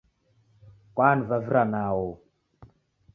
Kwanivavira nao